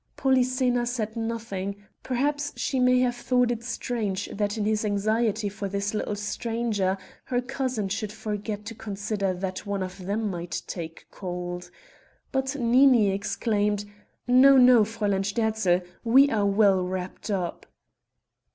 Polyxena said nothing; perhaps she may have thought it strange that in his anxiety for this little stranger, her cousin should forget to consider that one of them might take cold. But Nini exclaimed: "No, no, Fräulein Sterzl: we are well wrapped up."